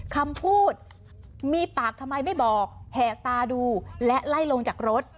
คำพูดมีปากทำไมไม่บอกแหกตาดูและไล่ลงจากรถ